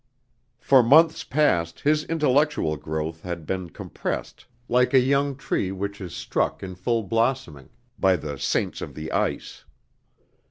For months past his intellectual growth had been compressed like a young tree which is struck in full blossoming by the "saints of the ice."